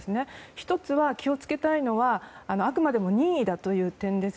１つは、気を付けたいのはあくまでも任意だという点です。